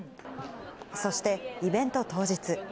そして、イベント当日。